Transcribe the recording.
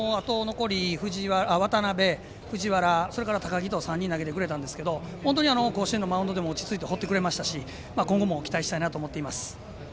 渡邊、藤原、高木と投げてくれたんですけど本当に甲子園のマウンドでも落ち着いて放ってくれましたし今後も期待したいなと思います。